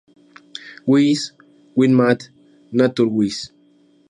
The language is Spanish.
Wiss., Wien Math.-Naturwiss.